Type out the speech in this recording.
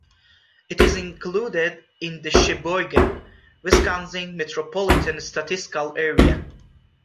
It is included in the Sheboygan, Wisconsin Metropolitan Statistical Area.